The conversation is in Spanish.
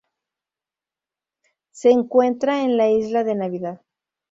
Se encuentra en la Isla de Navidad.